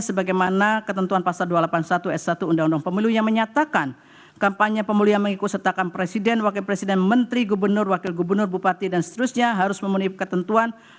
sebagaimana ketentuan pasal dua ratus delapan puluh satu s satu undang undang pemilu yang menyatakan kampanye pemulihan mengikut sertakan presiden wakil presiden menteri gubernur wakil gubernur bupati dan seterusnya harus memenuhi ketentuan